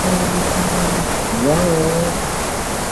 南北朝时为营州地。